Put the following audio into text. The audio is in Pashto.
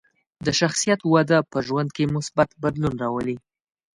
د شخصیت وده په ژوند کې مثبت بدلون راولي.